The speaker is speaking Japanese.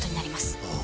ああ。